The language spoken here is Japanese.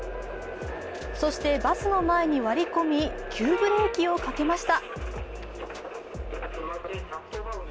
そしてバスの前に割り込み、急ブレーキをかけました。